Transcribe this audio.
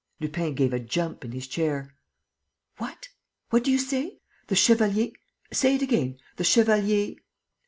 Lupin gave a jump in his chair: "What? What do you say? The Chevalier say it again the Chevalier